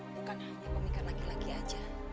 bukan hanya pemikir laki laki aja